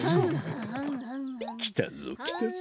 きたぞきたぞ。